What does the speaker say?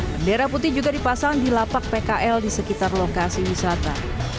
bendera putih juga dipasang di lapak pkl di sekitar lokasi wisata